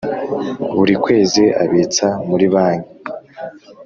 buri kwezi abitsa muri banki